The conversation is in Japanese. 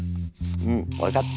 うん分かった。